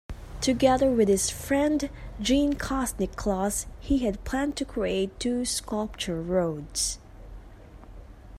Together with his friend Jeanne Kosnick-Kloss he had planned to create two sculpture roads.